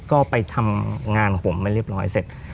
ก็ไปทำงานของผมไม่เรียบร้อยเสร็จ